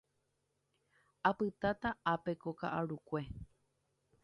Apytáta ápe ko ka'arukue.